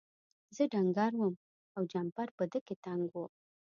زه ډنګر وم او جمپر په ده کې تنګ و.